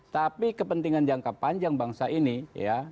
tapi kepentingan jangka panjang bangsa ini ya